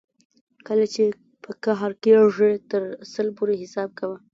کله چې په قهر کېږې تر سل پورې حساب کوه.